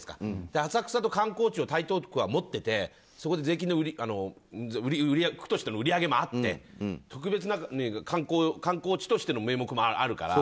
浅草と観光地を台東区は持っててそこで区としての売り上げもあって特別な観光地としての名目もあるから。